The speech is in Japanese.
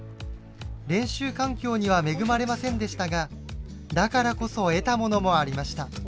練習環境には恵まれませんでしたがだからこそ得たものもありました。